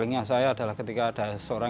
pengalaman yang membuat saya sangat emosional